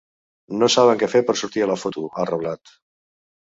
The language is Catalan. No saben què fer per sortir a la foto, ha reblat.